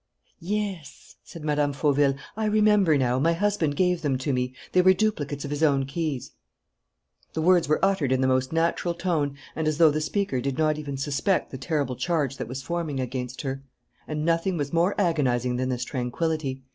"Yes," said Mme. Fauville. "I remember now, my husband gave them to me. They were duplicates of his own keys " The words were uttered in the most natural tone and as though the speaker did not even suspect the terrible charge that was forming against her. And nothing was more agonizing than this tranquillity.